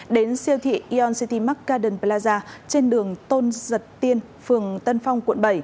đến siêu thị eon city mark garden plaza trên đường tôn giật tiên phường tân phong quận bảy